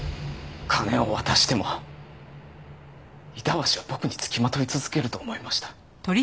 金を渡しても板橋は僕につきまとい続けると思いました。